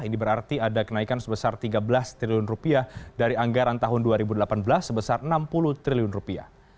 ini berarti ada kenaikan sebesar tiga belas triliun rupiah dari anggaran tahun dua ribu delapan belas sebesar enam puluh triliun rupiah